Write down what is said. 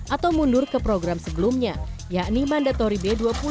atau mundur ke program sebelumnya yakni mandatori b dua puluh